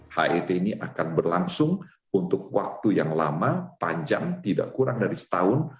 het ini akan berlangsung untuk waktu yang lama panjang tidak kurang dari setahun